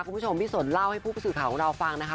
คุณผู้ชมพี่สนเล่าให้ผู้สื่อข่าวของเราฟังนะคะ